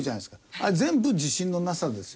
あれ全部自信のなさですよ